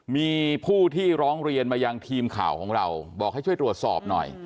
มีผู้ที่ร้องเรียนมายังทีมข่าวของเราบอกให้ช่วยตรวจสอบหน่อย